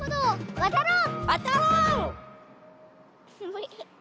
わたろう！